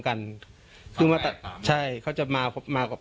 เขาก็จะมาพร้อมกัน